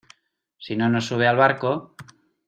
si no nos sube al barco...